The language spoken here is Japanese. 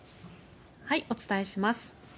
お伝えします。